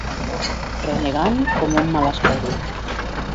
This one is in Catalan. Renegant com un mal esperit.